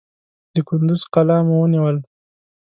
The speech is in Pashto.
د کندوز قلا مو ونیول.